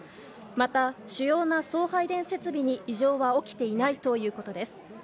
また主要な送配電設備に異常は起きていないということです。